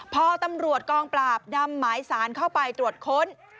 พอตำรวจกองปราบนำหมายสารเข้าไปตรวจค้น